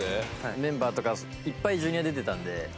メンバーとかいっぱいＪｒ．出てたんで。